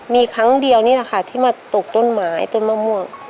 มีครั้งเดียวนี่แหละค่ะที่มาตกต้นไม้ต้นมะม่วง